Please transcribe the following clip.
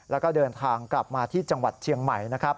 แล้วก็เดินทางกลับมาที่จังหวัดเชียงใหม่นะครับ